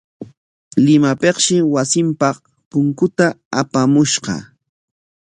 Limapikshi wasinpaq punkuta apamushqa.